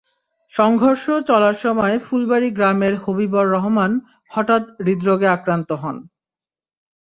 সংঘর্ষ চলার সময় ফুলবাড়ি গ্রামের হবিবর রহমান হঠাৎ হৃদ্রোগে আক্রান্ত হন।